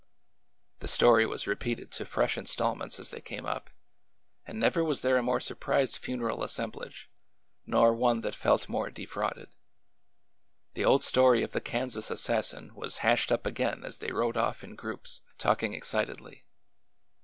The story was repeated to fresh instalments as they came up, and never was there a more surprised funeral assemblage, nor one that felt more defrauded. The old story of the Kansas assassin was hashed up again as they rode off in groups, talking excitedly.